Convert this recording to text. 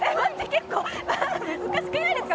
結構難しくないですか？